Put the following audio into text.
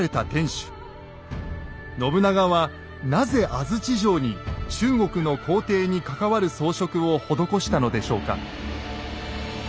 信長はなぜ安土城に中国の皇帝に関わる装飾を施したのでしょうか。